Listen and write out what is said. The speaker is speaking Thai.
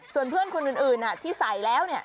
ส่วนเพื่อนคนอื่นที่ใส่แล้ว